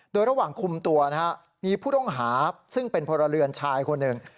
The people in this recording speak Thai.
โดยระหว่างคุมตัวนะฮะมีผู้ต้องหาซึ่งเป็นพลเรือนชายคนหนึ่ง